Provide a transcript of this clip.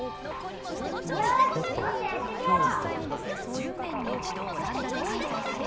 よしもっとやってみよう！